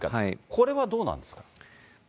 これはどうなんですか？